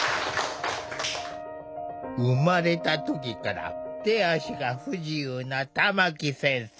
生まれた時から手足が不自由な玉木先生。